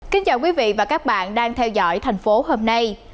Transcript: kính chào quý vị và các bạn đang theo dõi thành phố hôm nay